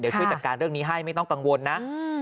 เดี๋ยวช่วยจัดการเรื่องนี้ให้ไม่ต้องกังวลนะ